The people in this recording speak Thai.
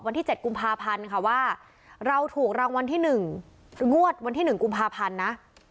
วันที่เจ็ดกุมภาพันธุ์ค่ะว่าเราถูกรางวันที่หนึ่งกว้อวันที่หนึ่งกุมภาพันธุ์นะ